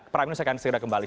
prime news akan segera kembali